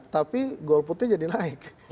tapi golputnya jadi naik